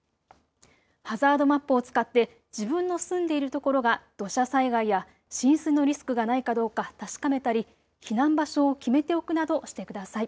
ハザードマップを使って自分の住んでいる所が土砂災害や浸水のリスクがないかどうか確かめたり避難場所を決めておくなどしてください。